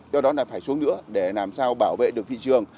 do đó là phải xuống nữa để làm sao bảo vệ được thị trường